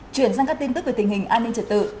chuyển sang các tin tức về tình hình an ninh trật tự